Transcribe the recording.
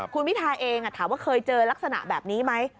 คุณพิทาเองถามว่าเคยเจอลักษณะแบบนี้ไหม